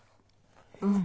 うん。